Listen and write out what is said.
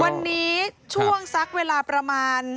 วันนี้ช่วงสักเวลาประมาณ